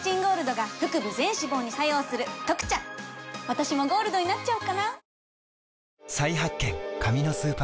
私もゴールドになっちゃおうかな！